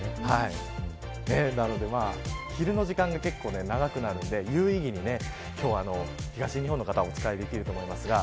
昼の時間が長くなるので有意義に今日は東日本の方もお使いできると思います。